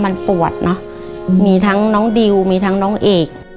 มันปวดเนอะมีทั้งน้องดิวมีทั้งน้องเอก